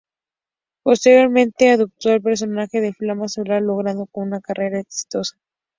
Posteriormente adopta el personaje de Flama solar logrando con una carrera exitosa.